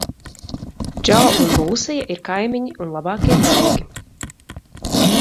Džo un Lūsija ir kaimiņi un labākie draugi.